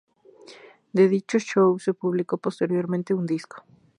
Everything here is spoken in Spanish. De dicho show se publicó posteriormente un disco.